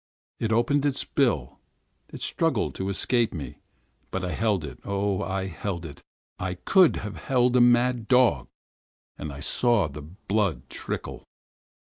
It opened its bill, it struggled to escape me, but I held it, oh! I held it—I could have held a mad dog—and I saw the blood trickle.